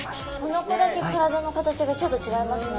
この子だけ体の形がちょっと違いますね。